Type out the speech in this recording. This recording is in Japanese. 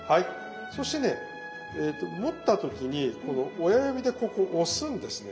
そしてね持った時にこの親指でここ押すんですね。